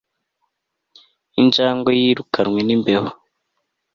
injangwe yirukanwe n'imbeba